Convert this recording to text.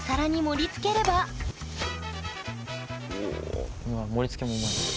盛りつけもうまい。